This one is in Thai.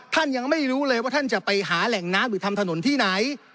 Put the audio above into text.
ท่านยังไม่รู้เลยว่าท่านจะไปหาแหล่งน้ำหรือทำถนนที่ไหน